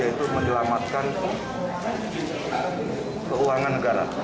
yaitu menyelamatkan keuangan negara